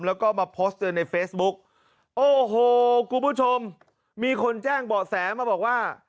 แล้วก็มาโพสต์เตือนในเฟซบุ๊กโอ้โหคุณผู้ชมมีคนแจ้งเบาะแสมาบอกว่า